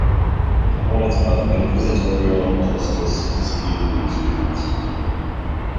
Proponents of inquisitorial justice dispute these points.